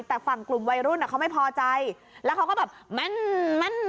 แต่ฝั่งกลุ่มวัยรุ่นอ่ะเขาไม่พอใจแล้วเขาก็แบบแม่นแม่น